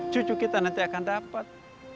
cucu kita nanti akan dapat